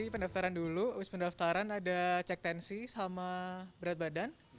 pendaftaran dulu abis pendaftaran ada cek tensi sama berat badan